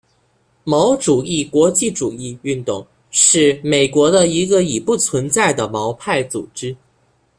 毛主义国际主义运动是美国的一个已不存在的毛派组织。